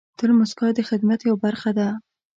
تل موسکا د خدمت یوه برخه ده.